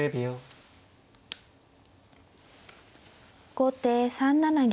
後手３七銀。